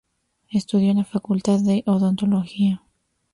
Estudió en la Facultad de Odontología.